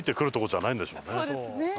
そうですね